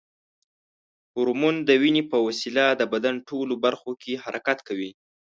هورمون د وینې په وسیله د بدن ټولو برخو کې حرکت کوي.